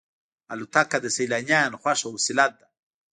الوتکه د سیلانیانو خوښه وسیله ده.